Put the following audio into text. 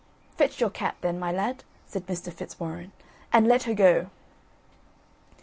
"Fetch your cat then, my lad," said Mr. Fitzwarren, "and let her go."